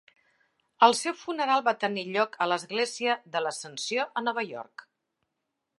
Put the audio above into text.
El seu funeral va tenir lloc a l'església de l'Ascensió a Nova York.